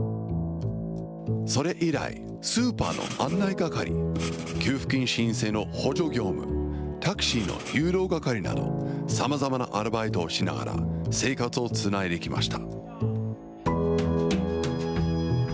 それ以来、スーパーの案内係、給付金申請の補助業務、タクシーの誘導係など、さまざまなアルバイトをしながら、生活をつないできました。